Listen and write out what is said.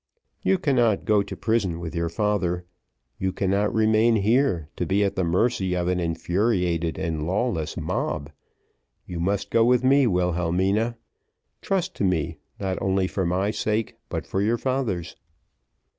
You cannot go to prison with your father; you cannot remain here, to be at the mercy of an infuriated and lawless mob. You must go with me, Wilhelmina; trust to me, not only for my sake, but for your father's."